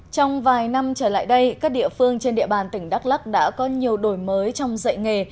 trong vài năm trở lại đây các địa phương trên địa bàn tỉnh đắk lắc đã có nhiều đổi mới trong dạy nghề